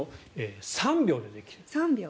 ３秒でできる。